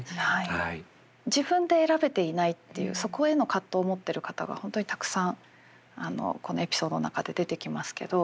自分で選べていないっていうそこへの葛藤を持ってる方が本当にたくさんこのエピソードの中で出てきますけど。